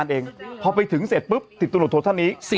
มันก็จับไม่ได้มันก็จับไม่ได้มันก็จับไม่ได้